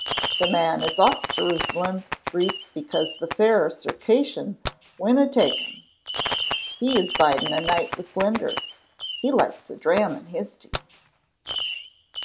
The man as ocht Jerusalem greets because the Fair Circassian winna take him. He is biding a' night wi' Blinder. He likes a dram in his tea."